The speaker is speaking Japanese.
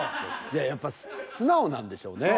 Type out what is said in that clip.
やっぱ素直なんでしょうね。